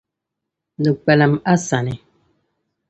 Di kpalim a sani.